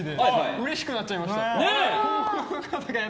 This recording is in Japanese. うれしくなっちゃいました。